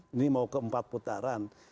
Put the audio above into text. ini mau ke empat putaran